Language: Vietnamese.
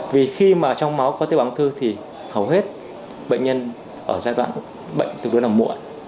vì khi mà trong máu có tế bào ung thư thì hầu hết bệnh nhân ở giai đoạn bệnh tương đối là muộn